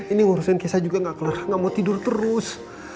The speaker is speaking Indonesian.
ini urusin kesha juga gak kelar gak mau tidur terus